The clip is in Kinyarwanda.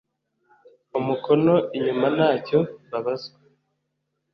umukono inyuma ntacyo babazwa